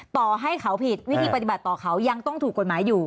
ต่อให้เขาผิดวิธีปฏิบัติต่อเขายังต้องถูกกฎหมายอยู่